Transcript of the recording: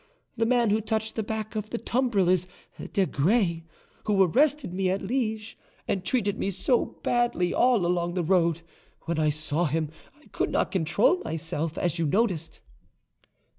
The man who touched the back of the tumbril is Desgrais, who arrested me at Liege, and treated me so badly all along the road. When I saw him, I could not control myself, as you noticed."